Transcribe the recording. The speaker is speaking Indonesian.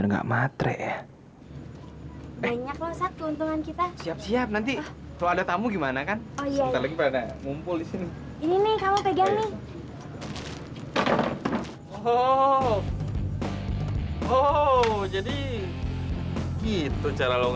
untuk berikan makanan sampai jumpa di video selanjutnya